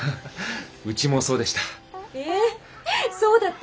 うちもそうでした。